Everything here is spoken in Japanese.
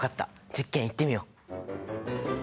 実験いってみよう！